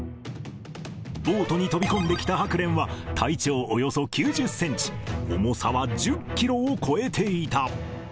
ボートに飛び込んできたハクレンは、体長およそ９０センチ、重さは１０キロを超えていた。